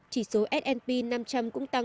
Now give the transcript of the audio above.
chỉ số s p năm trăm linh cũng tăng